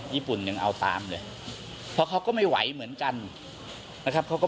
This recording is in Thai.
ญี่ปุ่นยังเอาตามเลยเพราะเขาก็ไม่ไหวเหมือนกันนะครับเขาก็